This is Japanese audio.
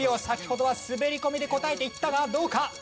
先ほどは滑り込みで答えていったがどうか？